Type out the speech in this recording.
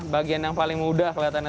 bagian yang paling mudah kelihatannya